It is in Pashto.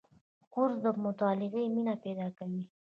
کورس د مطالعې مینه پیدا کوي.